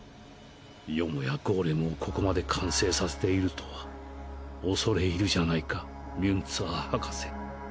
よもやゴーレムをここまで完成させているとは恐れ入るじゃないかミュンツァー博士。